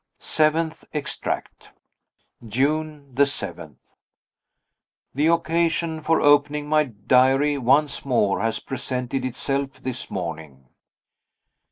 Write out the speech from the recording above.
Seventh Extract. June 7. The occasion for opening my diary once more has presented itself this morning.